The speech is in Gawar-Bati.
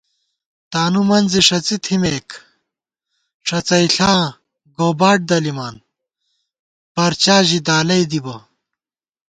تانُومنزے ݭَڅی تھِمېک، ݭَڅَئیݪاں گوباٹ دلِمان پرچا ژی دالَئ دِبہ